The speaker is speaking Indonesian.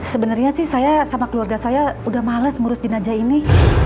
sebenarnya sih saya sama keluarga saya udah males ngurus jenazah ini